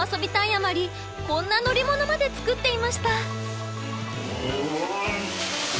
あまりこんな乗り物まで作っていました。